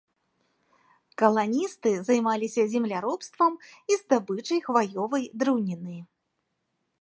Каланісты займаліся земляробствам і здабычай хваёвай драўніны.